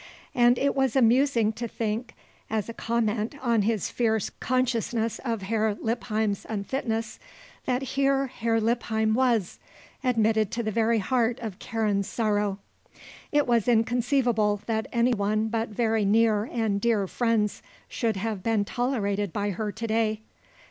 And it was amusing to think, as a comment on his fierce consciousness of Herr Lippheim's unfitness, that here Herr Lippheim was, admitted to the very heart of Karen's sorrow. It was inconceivable that anyone but very near and dear friends should have been tolerated by her to day.